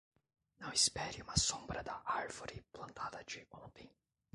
Não espere uma sombra da árvore plantada de ontem.